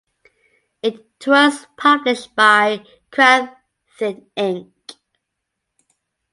It was published by CrimethInc.